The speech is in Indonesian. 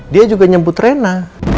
dia juga nyebut rena